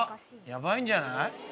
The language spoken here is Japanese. やばいんじゃない？